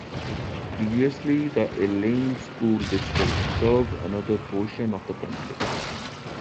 Previously the Elaine School District served another portion of the county.